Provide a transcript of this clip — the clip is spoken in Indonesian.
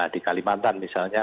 di kalimantan misalnya